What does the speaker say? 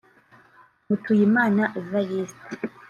Mutuyimana Evariste